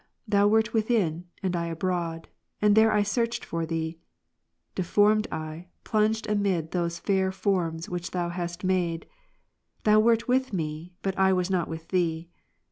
Thou wert within, and I abroad, and there I searched for Thee ; deformed I, plunging amid those fair forms, which Thou hadst made p. Thou wert with me, but I was not with Thee.